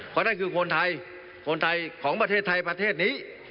เพราะนั่นคือคนไทยคนไทยของประเทศไทยประเทศนี้